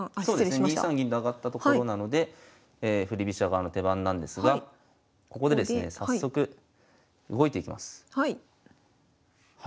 ２三銀と上がったところなので振り飛車側の手番なんですがここでですね早速動いていきます。